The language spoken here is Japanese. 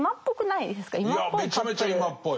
いやめちゃめちゃ今っぽい。